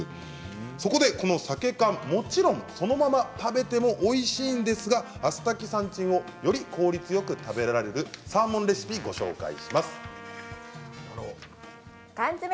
そこでこのサケ缶もちろんそのまま食べてもおいしいんですがアスタキサンチンをより効率よく食べられるサーモンレシピご紹介します。